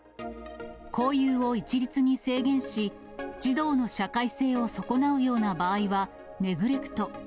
交友を一律に制限し、児童の社会性を損なうような場合はネグレクト。